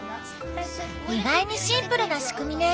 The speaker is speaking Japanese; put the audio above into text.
意外にシンプルな仕組みね。